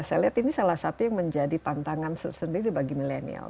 saya lihat ini salah satu yang menjadi tantangan sendiri bagi milenial